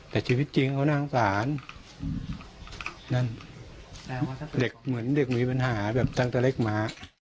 แต่ชีวิตจริงเขาน่างสารนั่นเหมือนเด็กมีปัญหาแบบตั้งแต่เล็กม้า